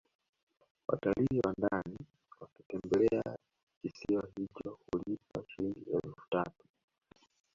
Watalii wa ndani wakitembelea kisiwa hicho hulipa Shilingi elfu tatu